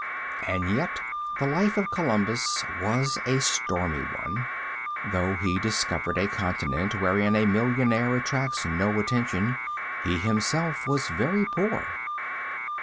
And yet the life of Columbus was a stormy one. Though he discovered a continent wherein a millionaire attracts no attention, he himself was very poor.